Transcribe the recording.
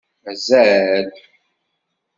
Mazal.